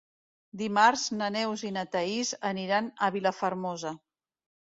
Dimarts na Neus i na Thaís aniran a Vilafermosa.